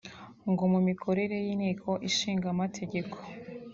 ngo mu mikorere y’Inteko Ishinga Amategeko